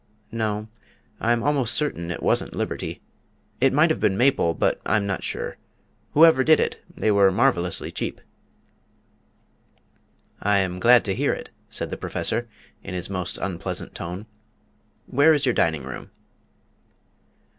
No, I'm almost certain it wasn't Liberty. It might have been Maple, but I'm not sure. Whoever did do it, they were marvellously cheap." "I am glad to hear it," said the Professor, in his most unpleasant tone. "Where is your dining room?"